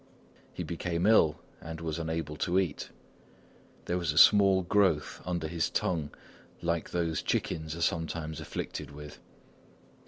He became ill and was unable to eat. There was a small growth under his tongue like those chickens are sometimes afflicted with.